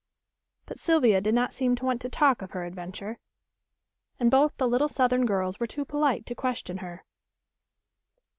But Sylvia did not seem to want to talk of her adventure, and both the little southern girls were too polite to question her.